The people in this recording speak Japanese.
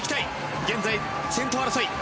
現在、先頭争い。